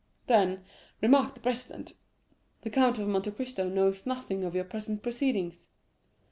40204m "'Then,' remarked the president, 'the Count of Monte Cristo knows nothing of your present proceedings?